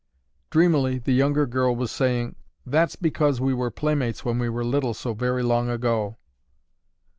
Dreamily the younger girl was saying—"That's because we were playmates when we were little so very long ago."